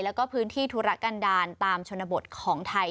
แล้วก็พื้นที่ธุรกันดาลตามชนบทของไทย